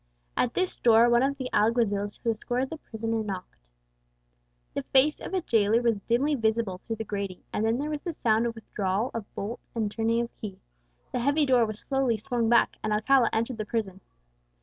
At this door one of the alguazils who escorted the prisoner knocked. The face of a jailer was dimly visible through the grating, and then there was the sound of withdrawal of bolt and turning of key; the heavy door was slowly swung back, and Alcala entered the prison.